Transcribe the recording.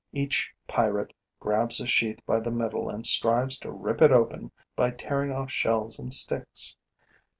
Each pirate grabs a sheath by the middle and strives to rip it open by tearing off shells and sticks.